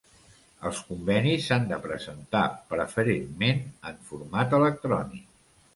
Els convenis s'han de presentar, preferentment en format electrònic.